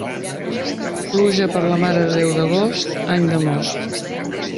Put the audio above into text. Pluja per la Mare de Déu d'agost, any de most.